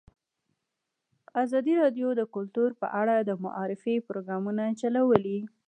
ازادي راډیو د کلتور په اړه د معارفې پروګرامونه چلولي.